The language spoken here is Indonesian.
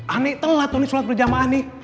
aneh telat tuh sulat berjamaah nih